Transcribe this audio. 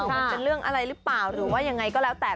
มันเป็นเรื่องอะไรหรือเปล่าหรือว่ายังไงก็แล้วแต่